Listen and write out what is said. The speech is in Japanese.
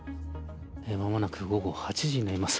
間もなく午後８時になります。